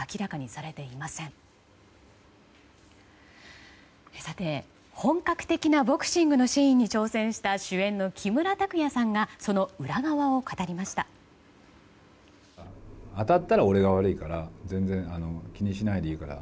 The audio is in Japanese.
さて、本格的にボクシングのシーンに挑戦した主演の木村拓哉さんがその裏側を語りました。